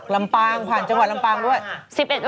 ลำปางผ่านจังหวัดลำปางด้วย